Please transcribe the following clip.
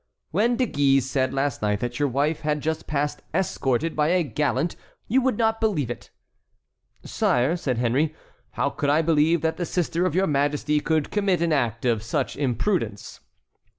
"When De Guise said last night that your wife had just passed escorted by a gallant you would not believe it." "Sire," said Henry, "how could I believe that the sister of your Majesty could commit an act of such imprudence?"